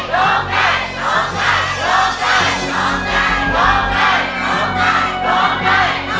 ร้องได้ร้องใจ